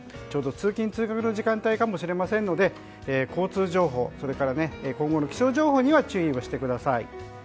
ちょうど通勤・通学の時間帯かもしれませんので交通情報それから今後の気象情報には注意をしてください。